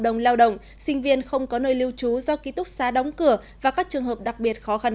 đồng lao động sinh viên không có nơi lưu trú do ký túc xa đóng cửa và các trường hợp đặc biệt khó khăn